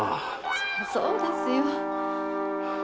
そりゃそうですよ。